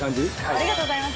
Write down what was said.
ありがとうございます。